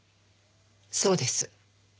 そうです。